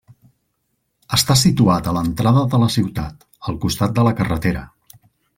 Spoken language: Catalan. Està situat a l'entrada de la ciutat, al costat de la carretera.